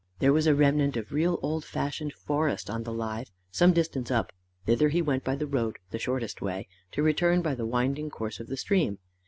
There was a remnant of real old fashioned forest on the Lythe, some distance up: thither he went by the road, the shortest way, to return by the winding course of the stream.